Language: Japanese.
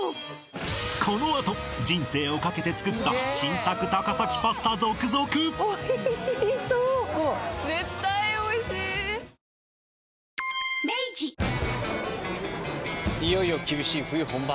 このあと人生をかけて作った新作高崎パスタ続々おいしそういよいよ厳しい冬本番。